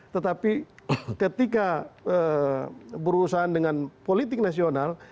tetapi ketika berurusan dengan politik nasional